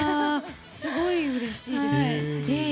すごいうれしいです。